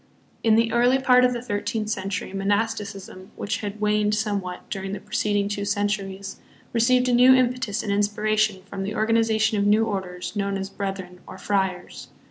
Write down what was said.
In the early part of the thirteenth century monasti cism, which had waned somewhat during the preceding two centuries, received a new impetus and inspiration from the organization of new orders known as brethren or " friars."